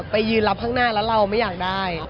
ไปยืนรับข้างหน้าแล้วเราไม่อยากได้